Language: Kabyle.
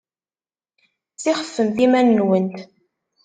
Ssixfefemt iman-nwent!